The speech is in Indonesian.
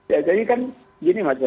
ya jadi kan gini